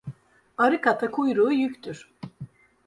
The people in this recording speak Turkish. Arık ata kuyruğu yüktür.